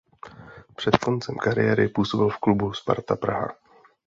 Před koncem kariéry působil v klubu Sparta Praha.